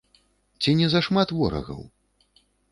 Ці не зашмат ворагаў?